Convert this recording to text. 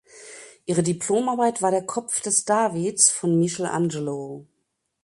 Ihre Diplomarbeit war der Kopf des Davids von Michelangelo.